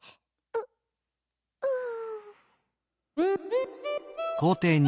ううん。